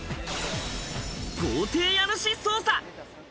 豪邸家主捜査。